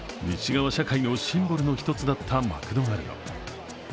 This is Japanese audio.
西側社会のシンボルの一つだったマクドナルド。